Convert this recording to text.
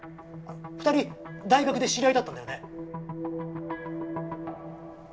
２人大学で知り合いだったんだよね？